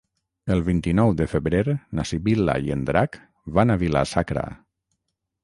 El vint-i-nou de febrer na Sibil·la i en Drac van a Vila-sacra.